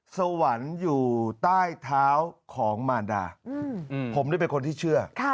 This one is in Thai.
สวรรค์อยู่ใต้เท้าของมารดาผมนี่เป็นคนที่เชื่อ